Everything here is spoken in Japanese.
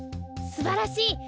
すばらしい！